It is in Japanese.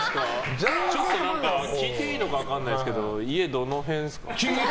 聞いていいのか分かんないですけど家、どの辺ですか？